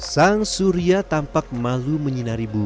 sang surya tampak malu menyinari bunga